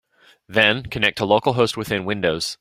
Then connect to localhost within Windows.